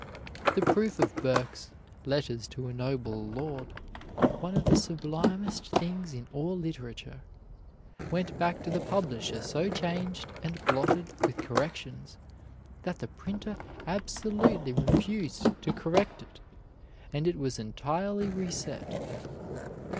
The proof of Burke's "Letters to a Noble Lord" (one of the sublimest things in all literature) went back to the publisher so changed and blotted with corrections that the printer absolutely refused to correct it, and it was entirely reset.